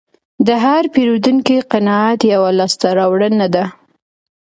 د هر پیرودونکي قناعت یوه لاسته راوړنه ده.